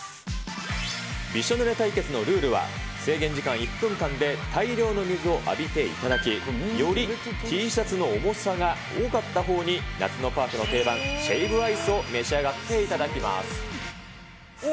びしょぬれ対決のルールは、制限時間１分間で大量の水を浴びていただき、よりＴシャツの重さが多かったほうに夏のパークの定番、シェイブアイスを召し上がっていただきます。